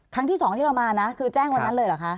ครั้งที่สองที่เรามานะคือแจ้งวันนั้นเลยเหรอคะ